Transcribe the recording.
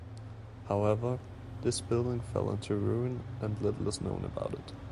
However, this building fell into ruin and little is known about it.